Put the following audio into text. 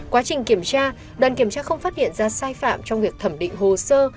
quá trình kiểm tra đoàn kiểm tra không phát hiện ra sai phạm trong việc thẩm định hồ sơ